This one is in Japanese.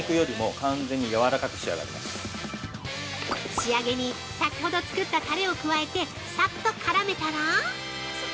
◆仕上げに、先ほど作ったタレを加えて、さっと絡めたら。